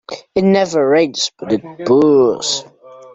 It never rains but it pours